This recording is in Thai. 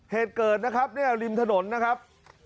เหตุเกิดนะครับเนี่ยริมถนนนะครับ